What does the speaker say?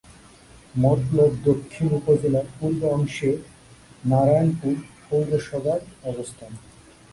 মতলব দক্ষিণ উপজেলার পূর্বাংশে নারায়ণপুর পৌরসভার অবস্থান।